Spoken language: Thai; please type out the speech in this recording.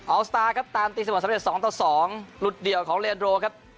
ออลสตาร์ครับตามติดเสมอสำเร็จสองต่อสองรุ่นเดี่ยวของเรียรโดโลครับ